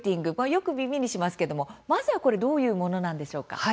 よく耳にしますけどもまずはこれどういうものなんでしょうか。